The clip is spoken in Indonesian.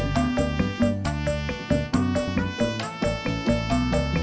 malah mundur maju